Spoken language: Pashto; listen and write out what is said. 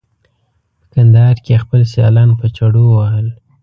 په کندهار کې یې خپل سیالان په چړو وهل.